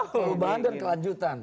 perubahan dan kelanjutan